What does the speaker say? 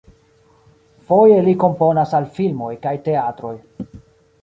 Foje li komponas al filmoj kaj teatroj.